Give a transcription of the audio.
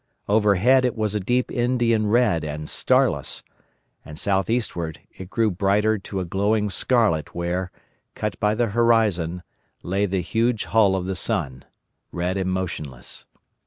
Overhead it was a deep Indian red and starless, and south eastward it grew brighter to a glowing scarlet where, cut by the horizon, lay the huge hull of the sun, red and motionless.